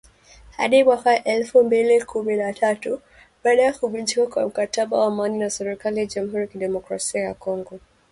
Hadi mwaka elfu mbili kumi na tatu baada ya kuvunjika kwa mkataba wa amani na serikali ya Jamhuri ya Kidemokrasia ya Kongo